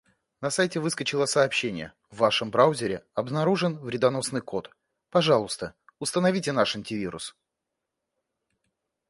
На сайте выскочило сообщение: «В вашем браузере обнаружен вредоносный код, пожалуйста, установите наш антивирус».